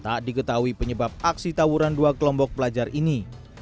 tak diketahui penyebab aksi tawuran dua kelompok pelajar ini